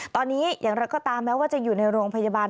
ตอนนี้อย่างไรก็ตามแม้ว่าจะอยู่ในโรงพยาบาล